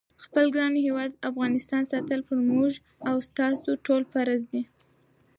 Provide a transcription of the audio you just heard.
خپل ګران هیواد افغانستان ساتل پر موږ او تاسی ټولوفرض دی